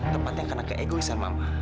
tepatnya karena keegoisan mama